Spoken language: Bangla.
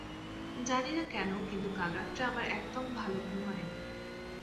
জানিনা কেন, কিন্তু কাল রাত্রে আমার একদম ভালো ঘুম হয়নি।